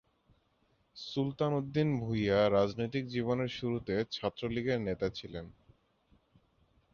সুলতান উদ্দিন ভূঁইয়া রাজনৈতিক জীবনের শুরুতে ছাত্রলীগের নেতা ছিলেন।